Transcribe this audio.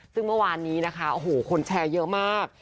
ซึ่งเมื่อวานนี้นะคะโอ้โหคนแชร์เยอะมาก